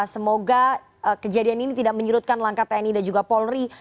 semoga kejadian ini tidak menyerutkan langkah tni dan juga polri